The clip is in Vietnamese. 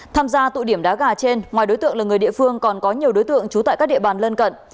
tham gia tụ điểm đá gà trên ngoài đối tượng là người địa phương còn có nhiều đối tượng trú tại các địa bàn lân cận